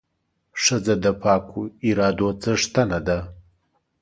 ښځه د پاکو ارادو څښتنه ده.